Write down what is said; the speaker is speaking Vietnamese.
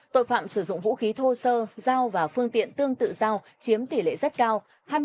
tội phạm sử dụng vũ khí thô sơ dao và phương tiện tương tự dao chiếm tỷ lệ rất cao hai mươi năm ba trăm bảy mươi tám